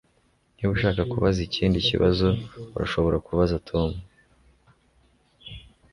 Niba ushaka kubaza ikindi kibazo urashobora kubaza Tom